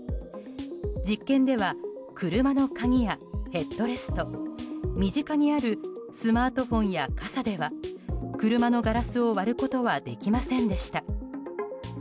実験では、車の鍵やヘッドレスト身近にあるスマートフォンや傘では車のガラスを割ることはできませんでした。